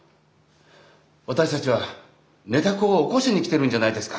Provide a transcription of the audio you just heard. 私たちは寝た子を起こしに来てるんじゃないですか。